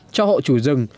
cho hộ chủ rừng